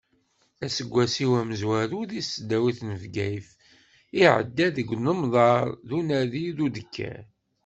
Aseggas-iw amezwaru deg tesdawit n Bgayet iɛedda deg unemḍer d unadi d udegger.